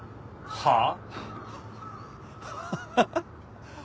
はあ？